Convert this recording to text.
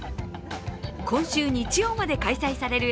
今週日曜まで開催される